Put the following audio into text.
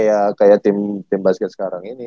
jadi kayak tim basket sekarang ini